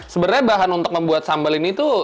sebenarnya bahan untuk membuat sambal ini itu